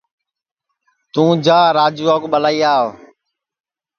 توں جا راجوا کُو ٻلائی آو